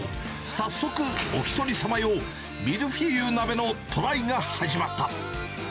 早速、お一人様用ミルフィーユ鍋のトライが始まった。